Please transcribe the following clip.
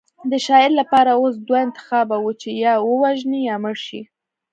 د شاعر لپاره اوس دوه انتخابه وو چې یا ووژني یا مړ شي